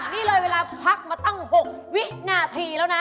นี่เลยเวลาพักมาตั้ง๖วินาทีแล้วนะ